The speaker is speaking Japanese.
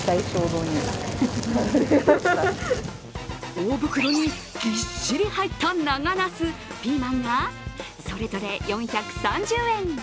大袋にぎっしり入った長なす、ピーマンがそれぞれ４３０円。